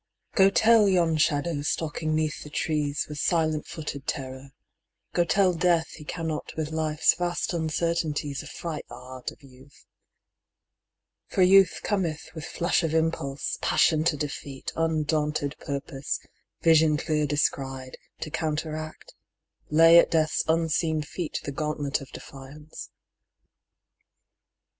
Go tell yon shadow stalking 'neath the trees With silent footed terror, go tell Death He cannot with Life's vast uncertainties Affright the heart of Youth ! For Youth cometh With flush of impulse, passion to defeat, Undaunted purpose, vision clear descried, To counteract, lay at Death's unseen feet The gauntlet of defiance.